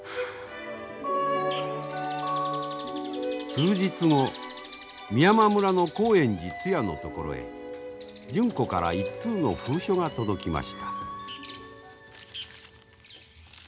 数日後美山村の興園寺つやのところへ純子から一通の封書が届きました。